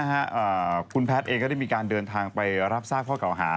คือตอนนี้คุณแพทย์เองได้มีการเรียนทางรับทราบข้อเก่าหา